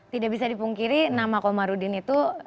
tidak bisa dipungkiri nama komarudin itu